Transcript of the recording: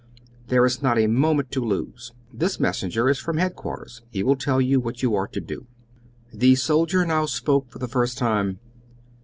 There is not a moment to lose. This messenger is from headquarters. He will tell you what you are to do." The soldier now spoke for the first time.